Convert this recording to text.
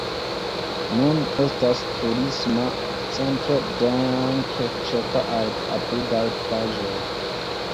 Nun estas turisma centro danke ĉefa al apudaj plaĝoj.